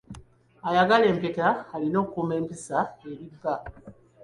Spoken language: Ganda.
Ayagala empeta alina okukuuma empisa eri bba.